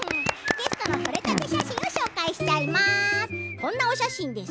ゲストの撮れたて写真を紹介しちゃいます。